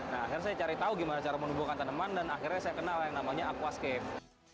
nah akhirnya saya cari tahu gimana cara menumbuhkan tanaman dan akhirnya saya kenal yang namanya aquascape